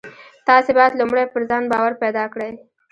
تاسې بايد لومړی پر ځان باور پيدا کړئ.